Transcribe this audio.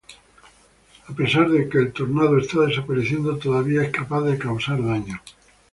A pesar de que el tornado está desapareciendo, todavía es capaz de causar daño.